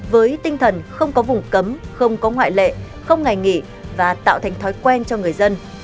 với tinh thần không có vùng cấm không có ngoại lệ không ngày nghỉ và tạo thành thói quen cho người dân